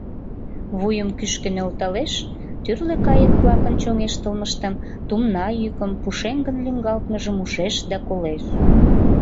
Вуйым кӱшкӧ нӧлталеш, тӱрлӧ кайык-влакын чоҥештылмыштым, тумна йӱкым, пушеҥгын лӱҥгалтмыжым ужеш да колеш.